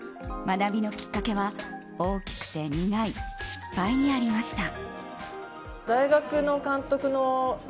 学びのきっかけは大きくて苦い失敗にありました。